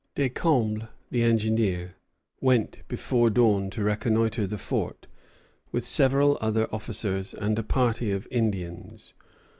Descombles, the engineer, went before dawn to reconnoitre the fort, with several other officers and a party of Indians.